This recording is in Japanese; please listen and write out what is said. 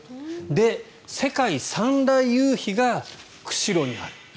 で、世界三大夕日が釧路にある。